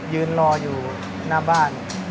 ยืนรออยู่หน้าบ้าน